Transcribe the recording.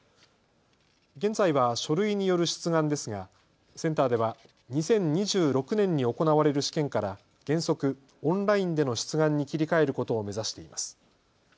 現在は書類による出願ですがセンターでは２０２６年に行われる試験から原則オンラインでの出願に切り替えることを目指しています。